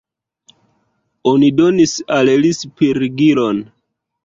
Oni donis al li spirigilon.